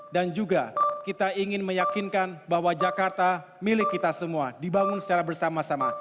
dan juga kita ingin meyakinkan bahwa jakarta milik kita semua dibangun secara bersama sama